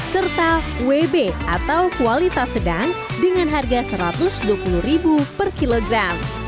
serta wb atau kualitas sedang dengan harga rp satu ratus dua puluh per kilogram